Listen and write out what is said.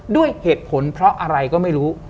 ด้วยเหตุผลเพราะอะไรก็ไม่รู้